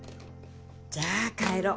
じゃあ帰ろう。